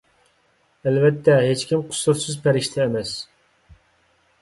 ئەلۋەتتە، ھېچكىم قۇسۇرسىز پەرىشتە ئەمەس.